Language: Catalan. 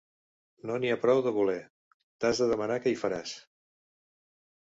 No n'hi ha prou de voler. T’has de demanar què hi faràs!